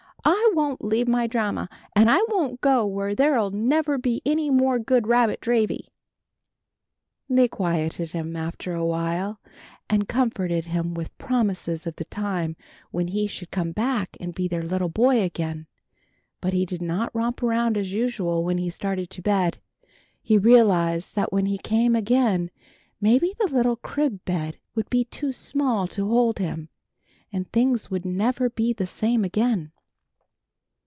I won't leave my Dranma, and I won't go where there'll never be any more good rabbit dravy!" They quieted him after awhile, and comforted him with promises of the time when he should come back and be their little boy again, but he did not romp around as usual when he started to bed. He realized that when he came again maybe the little crib bed would be too small to hold him, and things would never be the same again.